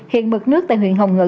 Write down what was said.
hiện bực nước tại huyện hồng ngự